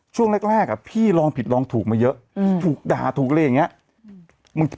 ช่วงแรกพี่ลองผิดลองถูกมาเยอะถูกด่าถูกอะไรอย่างนี้